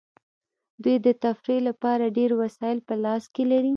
دوی د تفریح لپاره ډیر وسایل په لاس کې لري